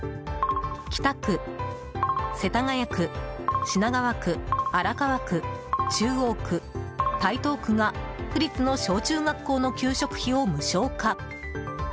北区、世田谷区、品川区荒川区、中央区、台東区が区立の小中学校の給食費を無償化。